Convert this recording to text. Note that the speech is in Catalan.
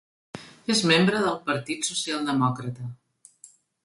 És membre del Partit Socialdemòcrata.